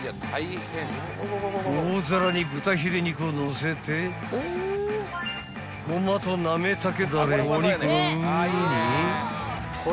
［大皿に豚ヒレ肉をのせてごまとなめ茸ダレをお肉の上に］